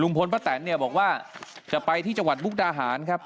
ป้าแตนเนี่ยบอกว่าจะไปที่จังหวัดมุกดาหารครับ